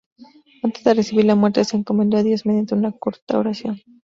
Antes de recibir la muerte, se encomendó a Dios mediante una corta oración.